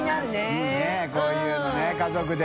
いいこういうのね家族で。